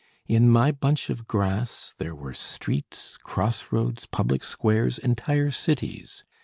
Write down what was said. In my bunch of grass there were streets, cross roads, public squares, entire cities.